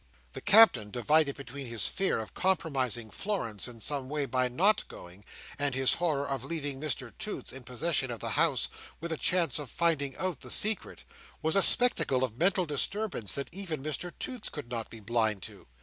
The Captain, divided between his fear of compromising Florence in some way by not going, and his horror of leaving Mr Toots in possession of the house with a chance of finding out the secret, was a spectacle of mental disturbance that even Mr Toots could not be blind to.